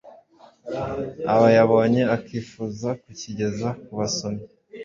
aba yabonye akifuza kukigeza ku basomyi.